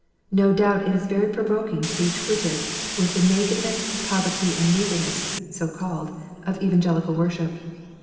No doubt it is very provoking to be twitted with the naked ness, poverty, and meagreness (so called) of Evangelical worship.